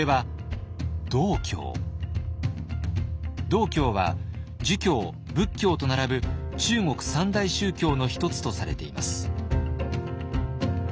道教は儒教仏教と並ぶ中国三大宗教の一つとされています。